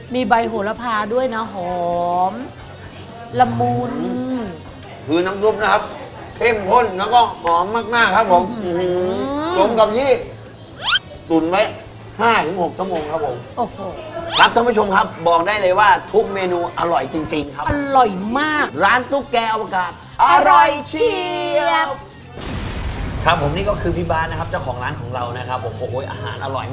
ไม่แข็งเกินไปและก็ไม่นุ่มจนเกินไป